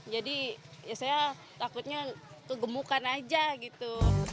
jadi ya saya takutnya kegemukan aja gitu